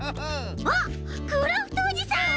あっクラフトおじさん！